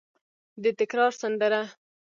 د تکرار سندره